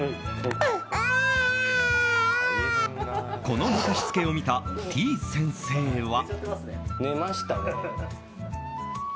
この寝かしつけを見たてぃ先生は。